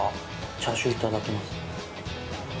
チャーシュー、いただきます。